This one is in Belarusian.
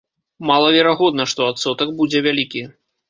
Малаверагодна, што адсотак будзе вялікі.